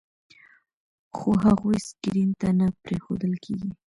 خو هغوی سکرین ته نه پرېښودل کېږي.